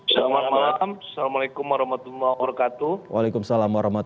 selamat malam assalamualaikum wr wb